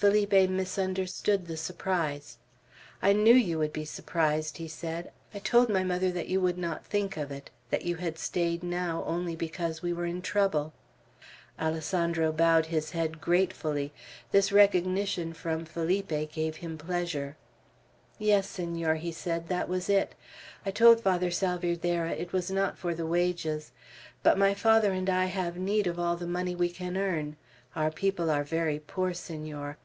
Felipe misunderstood the surprise. "I knew you would be surprised," he said. "I told my mother that you would not think of it; that you had stayed now only because we were in trouble." Alessandro bowed his head gratefully. This recognition from Felipe gave him pleasure. "Yes, Senor," he said, "that was it. I told Father Salvierderra it was not for the wages. But my father and I have need of all the money we can earn. Our people are very poor, Senor.